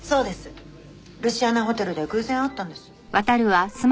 ルシアナホテルで偶然会ったんです。